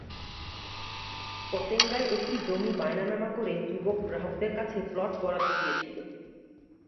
পতেঙ্গায় একটি জমি বায়নানামা করে যুবক গ্রাহকদের কাছে প্লট বরাদ্দ দিয়েছিল।